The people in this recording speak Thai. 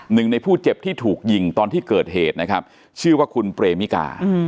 หนึ่งในผู้เจ็บที่ถูกยิงตอนที่เกิดเหตุนะครับชื่อว่าคุณเปรมิกา